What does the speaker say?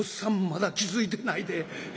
まだ気付いてないで。